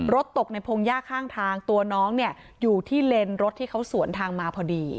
ตกในพงหญ้าข้างทางตัวน้องเนี่ยอยู่ที่เลนรถที่เขาสวนทางมาพอดี